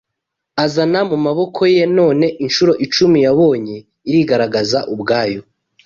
Azana mu maboko ye; none, inshuro icumi yabonye irigaragaza ubwayo